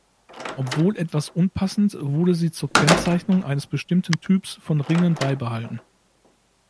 Obwohl etwas unpassend, wurde sie zur Kennzeichnung eines bestimmten Typs von Ringen beibehalten.